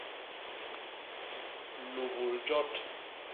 Lubul jot.